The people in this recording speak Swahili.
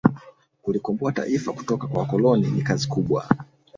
kulikomboa taifa kutoka kwa wakoloni ni kazi kubwa